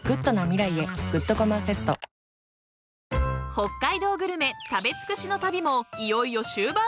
［北海道グルメ食べ尽くしの旅もいよいよ終盤！］